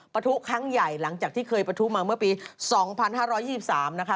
ประทุครั้งใหญ่หลังจากที่เคยประทุมาเมื่อปี๒๕๒๓นะคะ